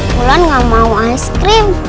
mulan gak mau aiskrim